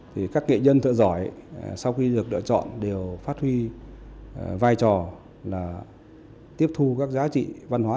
thì các nghệ nhân thợ giỏi sau khi được lựa chọn đều phát huy vai trò là tiếp thu các giá trị văn hóa